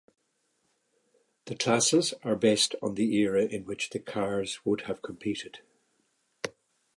The classes are based on the era in which the cars would have competed.